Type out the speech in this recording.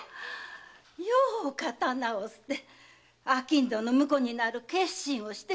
よう刀を捨て商人の婿になる決心をしてくだすったのう。